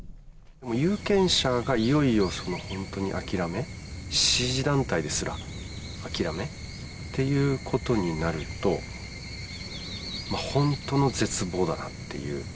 有権者がいよいよ本当に諦め、支持団体ですら諦めっていうことになると、本当の絶望だなっていう。